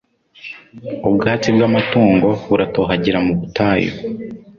Ubwatsi bw’amatungo buratohagira mu butayu